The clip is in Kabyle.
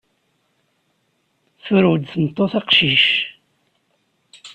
Turew-d tmeṭṭut aqcic.